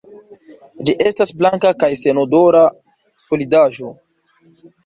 Ĝi estas blanka kaj senodora solidaĵo.